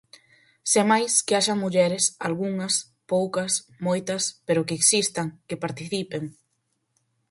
Sen máis, que haxa mulleres, algunhas, poucas, moitas, pero que existan, que participen.